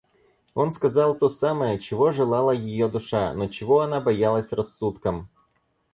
Он сказал то самое, чего желала ее душа, но чего она боялась рассудком.